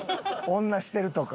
「女してる？」とか。